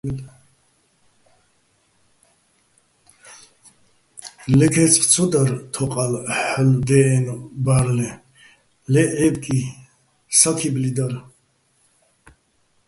ლე ქაჲრცხი̆ ცო დარ თოყა́ლ ჰ̦ალო̆ დე́ჸენო̆ ბა́რლეჼ, ლე ჺა́ჲბკი, საქიბლი დარ.